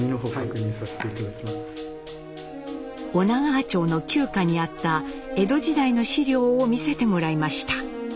女川町の旧家にあった江戸時代の史料を見せてもらいました。